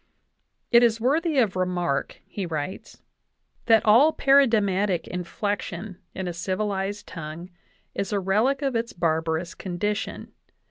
"It is worthy of remark," he writes, "that all paradigmatic inflection in a civilized tongue is a relic of its barbarous condition.